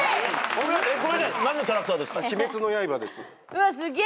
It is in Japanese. うわすげえ！